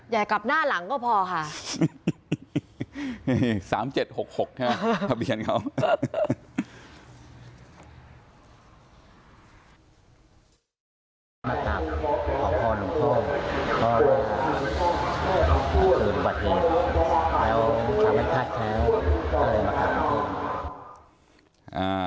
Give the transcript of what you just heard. สามเจ็ดหกหกใช่ไหมครับทะเบียนเขา